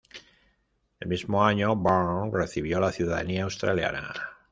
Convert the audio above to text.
El mismo año, Wurm recibió la ciudadanía australiana.